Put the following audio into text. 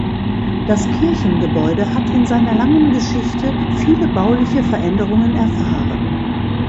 Das Kirchengebäude hat in seiner langen Geschichte viele bauliche Veränderungen erfahren.